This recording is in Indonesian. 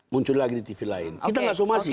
muncul lagi di tv lain kita nggak somasi